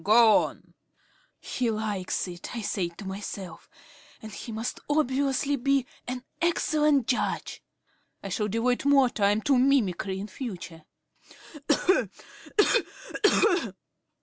"Go on." "He likes it," I said to myself, "and he must obviously be an excellent judge. I shall devote more time to mimicry in future.